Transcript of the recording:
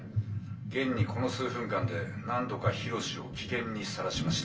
現にこの数分間で何度か緋炉詩を危険にさらしました」。